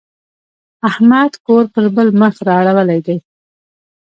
احمد کور پر بل مخ را اړولی دی.